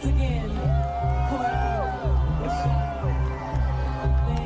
อ๋อติดขอบเวทีเลย